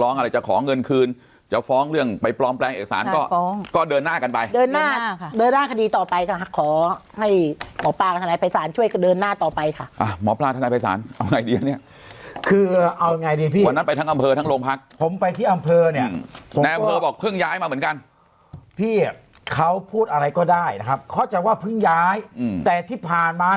ห้ามหักคือไม่ได้ห้ามหักคือตัดปัญหาไม่ให้ตลอดกัน